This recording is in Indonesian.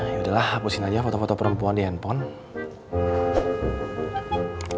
yaudah lah hapusin aja foto foto perempuan di handphone